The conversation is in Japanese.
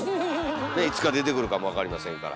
いつか出てくるかもわかりませんから。